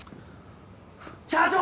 ・社長！